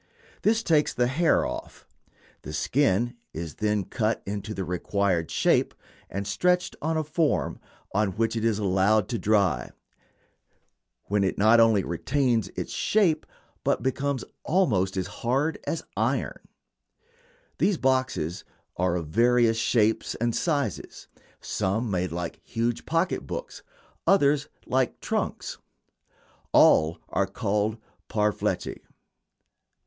This takes the hair off. The skin is then cut into the required shape and stretched on a form, on which it is allowed to dry, when it not only retains its shape but becomes almost as hard as iron. These boxes are of various shapes and sizes some made like huge pocket books, others like trunks. All are called "parfleche."